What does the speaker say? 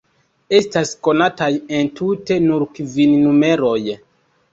Estas konataj entute nur kvin numeroj.